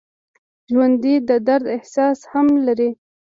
ژوندي د درد احساس هم لري